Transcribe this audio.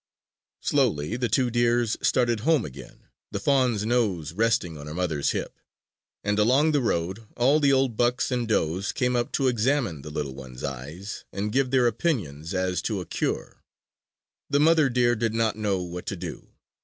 Slowly the two deers started home again, the fawn's nose resting on her mother's hip. And along the road all the old bucks and does came up to examine the little one's eyes and give their opinions as to a cure. The mother deer did not know what to do.